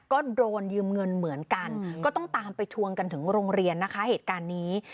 ก็โดนยืมเงินเหมือนกันก็ต้องตามไปทวงกันถึงโรงเรียนนะคะเหตุการณ์นี้